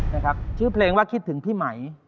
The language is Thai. นะครับชื่อเพลงว่าคิดถึงพี่ไหม